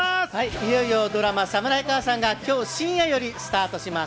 いよいよドラマ『サムライカアサン』が今日深夜よりスタートします。